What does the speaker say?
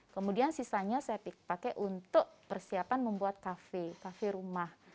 kemudian sisanya saya pakai untuk persiapan membuat kafe kafe rumah